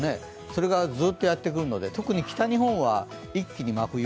それがずっとやってくるので特に北日本は一気に真冬。